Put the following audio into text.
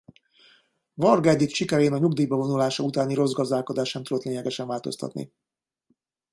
Varga Edit sikerein a nyugdíjba vonulása utáni rossz gazdálkodás sem tudott lényegesen változtatni.